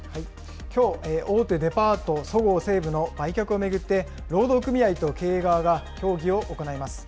きょう、大手デパート、そごう・西武の売却を巡って、労働組合と経営側が協議を行います。